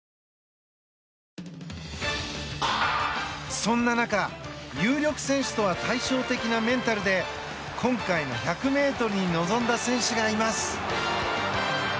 そんな中有力選手とは対照的なメンタルで今回の１００ｍに臨んだ選手がいます。